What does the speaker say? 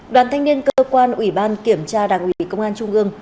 đoàn thanh niên cơ quan ủy ban kiểm tra đảng ủy công an trung ương